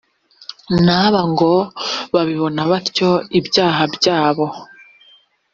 na bo ngo babibone batyo ibyaha byabo